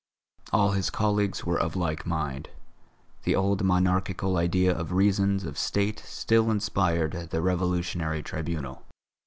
All his colleagues were of like mind; the old Monarchical idea of reasons of State still inspired the Revolutionary Tribunal.